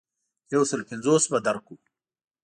یو سلو پنځوس به درکړو.